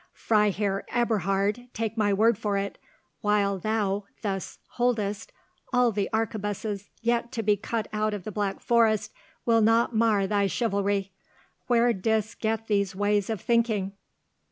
"Freiherr Eberhard, take my word for it, while thou thus holdest, all the arquebuses yet to be cut out of the Black Forest will not mar thy chivalry. Where didst get these ways of thinking?"